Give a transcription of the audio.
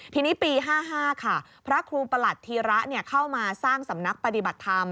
ทีนี้ปี๕๕ค่ะพระครูประหลัดธีระเข้ามาสร้างสำนักปฏิบัติธรรม